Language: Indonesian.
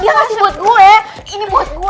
dia kasih buat gue ini buat gue